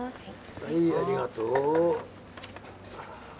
はいありがとう。